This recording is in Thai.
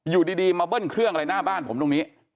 อยู่ดีมาเบิ้ลเครื่องอะไรหน้าบ้านผมตรงนี้